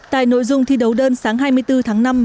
tại nội dung thi đấu đơn sáng hai mươi bốn tháng năm